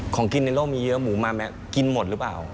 ของกินในโลกมีเยอะหมูมาไหมกินหมดหรือเปล่า